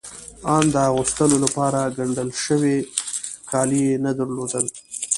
آن د اغوستو لپاره ګنډل شوي کالي يې نه درلودل.